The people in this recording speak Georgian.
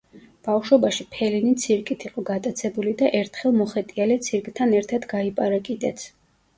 ბავშვობაში ფელინი ცირკით იყო გატაცებული და ერთხელ მოხეტიალე ცირკთან ერთად გაიპარა კიდეც.